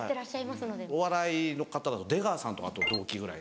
お笑いの方だと出川さんとかと同期ぐらい。